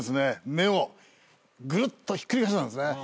目をぐるっとひっくり返したんですね。